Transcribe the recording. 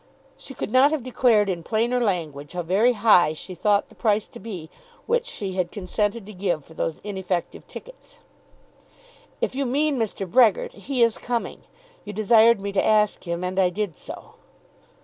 She could not have declared in plainer language how very high she thought the price to be which she had consented to give for those ineffective tickets. "If you mean Mr. Brehgert, he is coming. You desired me to ask him, and I did so."